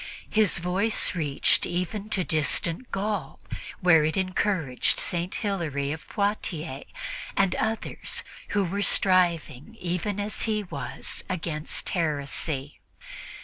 His voice reached even to distant Gaul, where it encouraged St. Hilary of Poitiers and others, who were striving, even as he was, against heresy.